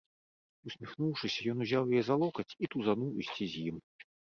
Усміхнуўшыся, ён узяў яе за локаць і тузануў ісці з ім.